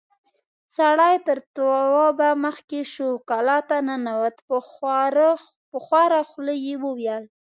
سړی تر توابه مخکې شو، کلا ته ننوت، په خواره خوله يې وويل: